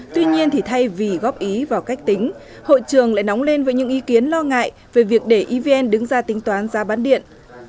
tuy nhiên thì thay vì góp ý vào cách tính hội trường lại nóng lên với những ý kiến lo ngại về việc để evn đứng ra tính toán giá bán điện